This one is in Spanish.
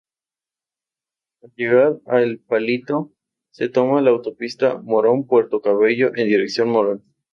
Al llegar a El Palito se toma la autopista Morón-Puerto Cabello en dirección Morón.